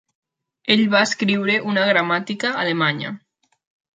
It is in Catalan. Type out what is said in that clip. Ell va escriure una gramàtica alemanya.